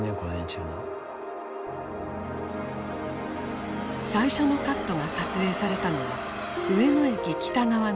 最初のカットが撮影されたのは上野駅北側の線路上。